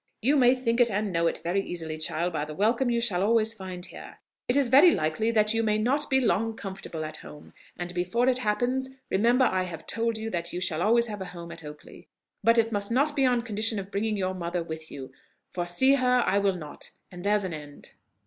"You may think it, and know it, very easily, child, by the welcome you shall always find here. It is very likely that you may not be long comfortable at home; and before it happens, remember I have told you that you shall always have a home at Oakley: but it must not be on condition of bringing your mother with you; for see her I will not, and there's an end."